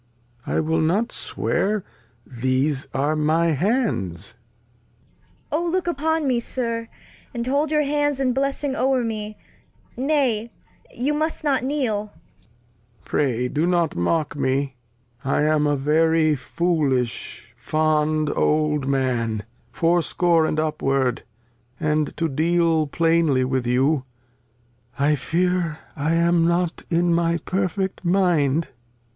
I will not swear These are my Hands. Cord. O look upon me. Sir, And hold your Hands in Blessing over me ; nay. You must not kneel. 238 The History of [Act iv Lear. Pray do not mock me. I am a very foolish fond old Man, Fourscore and upward ; and to deal plainly with you, I fear I am not in my perfect Mind. Cord.